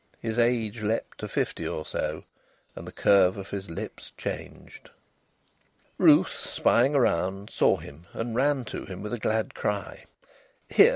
His age leaped to fifty or so, and the curve of his lips changed. Ruth, spying around, saw him and ran to him with a glad cry. "Here!"